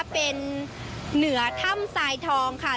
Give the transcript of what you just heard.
เป็นเหนือถ้ำทรายทองค่ะ